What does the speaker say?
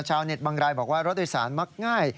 บางรายบอกว่ารถโดยสารมักง่าย